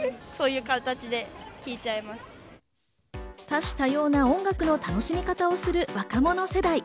多種多様な音楽の楽しみ方をする若者世代。